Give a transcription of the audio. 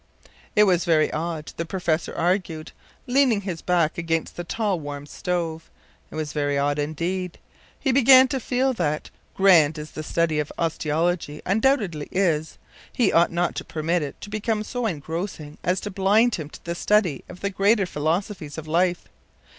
It was very odd, the professor argued, leaning his back against the tall, warm stove; it was very odd indeed. He began to feel that, grand as the study of osteology undoubtedly is, he ought not to permit it to become so engrossing as to blind him to the study of the greater philosophies of life.